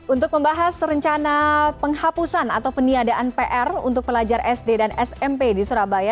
untuk membahas rencana penghapusan atau peniadaan pr untuk pelajar sd dan smp di surabaya